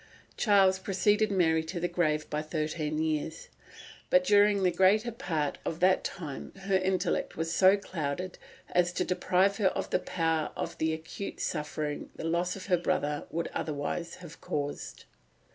Charles preceded Mary to the grave by thirteen years; but during the greater part of that time her intellect was so clouded as to deprive her of the power of the acute suffering the loss of her brother would otherwise have caused.